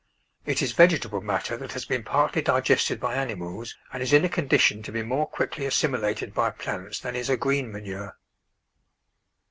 It is vegetable matter that has been partly digested by animals and is in a condition to be more quickly assimilated by plants than is a green manure.